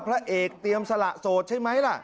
พระเอกเตรียมสละโสดใช่ไหมล่ะ